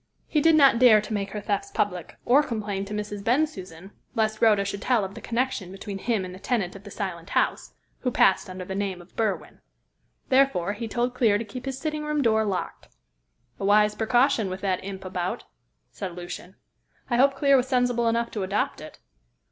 He did not dare to make her thefts public, or complain to Mrs. Bensusan, lest Rhoda should tell of the connection between him and the tenant of the Silent House, who passed under the name of Berwin. Therefore, he told Clear to keep his sitting room door locked." "A wise precaution, with that imp about," said Lucian. "I hope Clear was sensible enough to adopt it."